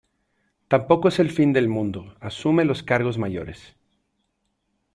tampoco es el fin del mundo. asume los cargos mayores .